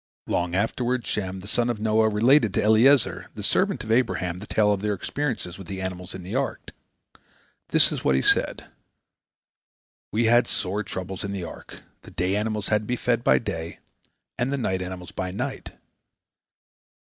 Long afterward Shem, the son of Noah, related to Eliezer, the servant of Abraham, the tale of their experiences with the animals in the ark. This is what he said: "We had sore troubles in the ark. The day animals had to be fed by day, and the night animals by night.